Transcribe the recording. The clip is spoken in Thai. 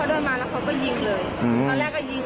เขาเดินมาแล้วเขาก็ยิงเลย